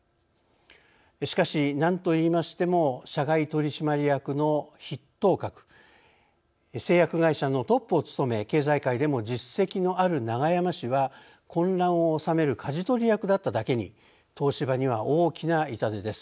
しかし何といいましても社外取締役の筆頭格製薬会社のトップを務め経済界でも実績のある永山氏は混乱を収めるかじ取り役だっただけに東芝には大きな痛手です。